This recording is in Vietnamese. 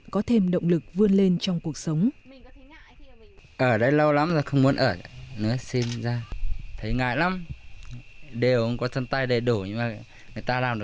có thêm động lực vươn lên trong cuộc sống